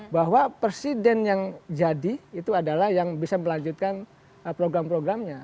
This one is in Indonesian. bahwa presiden yang jadi itu adalah yang bisa melanjutkan program programnya